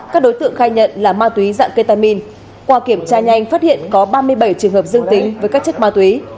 các đối tượng khai nhận là ma túy dạng ketamin qua kiểm tra nhanh phát hiện có ba mươi bảy trường hợp dương tính với các chất ma túy